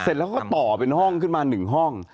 เสร็จแล้วก็ต่อเป็นห้องขึ้นมา๑ห้อง